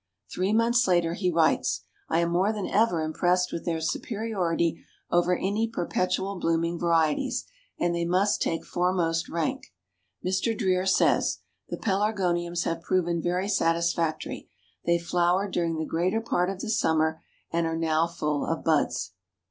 Three months later he writes: "I am more than ever impressed with their superiority over any perpetual blooming varieties, and they must take foremost rank." Mr. Dreer says: "The Pelargoniums have proven very satisfactory. They flowered during the greater part of the summer, and are now full of buds."